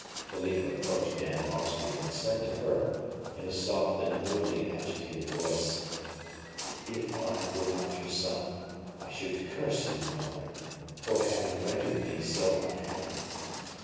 Philippe approached Anne of Austria, and said to her, in a soft and nobly agitated voice: "If I were not your son, I should curse you, my mother, for having rendered me so unhappy."